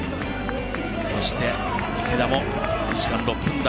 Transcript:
そして、池田も２時間６分台。